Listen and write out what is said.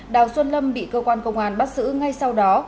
đảo xuân lâm bị cơ quan công an bắt xử ngay sau đó